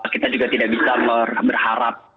kita juga tidak bisa berharap